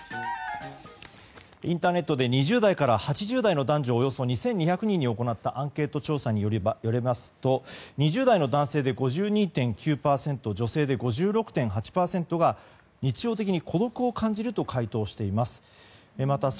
インターネットで２０代から８０代の男女およそ２２００人に行ったアンケート調査によりますと２０代の男性で５２．９％女性で５６．８％が日常的に孤独を感じると回答しています。